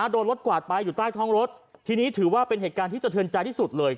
โดนรถกวาดไปอยู่ใต้ท้องรถทีนี้ถือว่าเป็นเหตุการณ์ที่สะเทือนใจที่สุดเลย